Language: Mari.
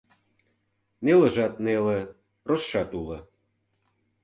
Нелыжат неле, рожшат уло.